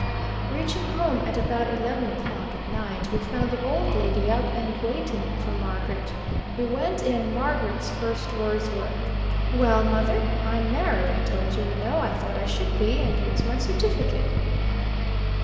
Reaching home at about eleven o'clock at night, we found the old lady up, and waiting for Margaret. We went in and Margaret's first words were: "Well, mother! I'm married; I told you, you know, I thought I should be; and here's my certificate."